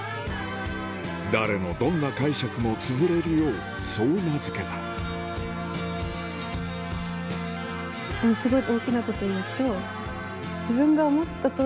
誰のどんな解釈もつづれるようそう名付けたすごい大きなこというと。